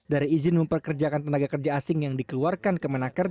dari izin memperkerjakan tenaga kerja asing yang dikeluarkan kemenaker